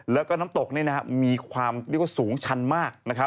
และก็น้ำตกนี้มีความสูงชันมาก